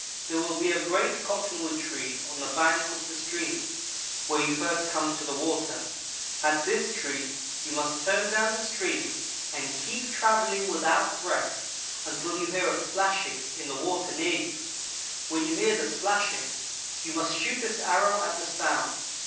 There will be a great cottonwood tree on the bank of the stream where you first come to the water. At this tree, you must turn down the stream and keep on travelling without rest, until you hear a splashing in the water near you. When you hear the splashing, you must shoot this arrow at the sound.